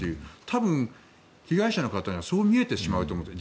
多分、被害者の方にはそう見えてしまうんだろうと。